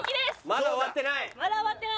まだ終わってない。